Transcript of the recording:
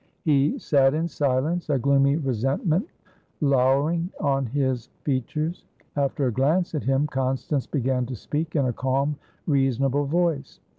He sat in silence, a gloomy resentment lowering on his features. After a glance at him, Constance began to speak in a calm, reasonable voice.